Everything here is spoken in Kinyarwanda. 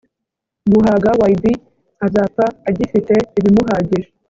guhaga yb azapfa agifite ibimuhagije